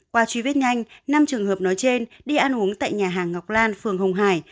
qua truy vết nhanh năm trường hợp nói trên đi ăn uống tại nhà hàng ngọc lan phường hồng hải